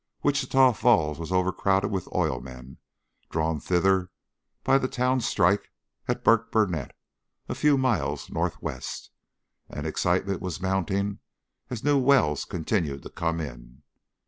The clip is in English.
Wichita Falls was overcrowded with oil men, drawn thither by the town site strike at Burkburnett, a few miles northwest, and excitement was mounting as new wells continued to come in.